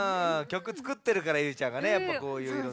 曲つくってるからゆいちゃんがねやっぱこういういろんな。